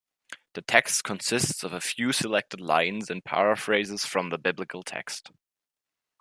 The text consists of a few selected lines and paraphrases from the Biblical text.